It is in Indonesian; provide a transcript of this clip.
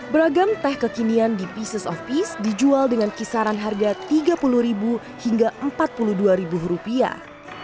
beragam teh kekinian di peaces of peace dijual dengan kisaran harga tiga puluh hingga empat puluh dua rupiah